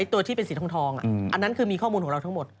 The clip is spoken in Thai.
ตัวที่เป็นสีทองอันนั้นคือมีข้อมูลของเราทั้งหมด